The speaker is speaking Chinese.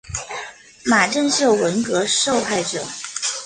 马正秀文革受害者。